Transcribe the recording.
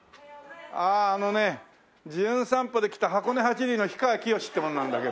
あのね『じゅん散歩』で来た『箱根八里』の氷川きよしって者なんだけど。